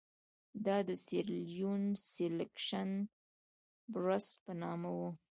دا د سیریلیون سیلکشن ټرست په نامه وو.